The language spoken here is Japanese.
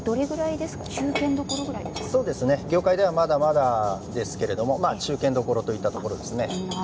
業界ではまだまだですけれど、中堅どころといったところです。